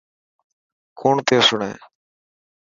ڪونڻ پيو سڻي.